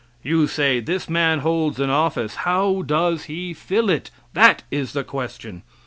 You say this man holds an office. How does he fill it? that is the question.